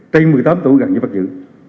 trên một mươi tám tủ gần như bắt giữ